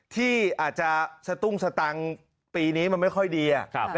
ที่อาจจะสตุ้งสตังค์ปีนี้มันไม่ค่อยดี